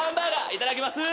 いただきます。